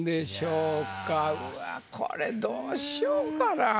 うわっこれどうしようかなぁ。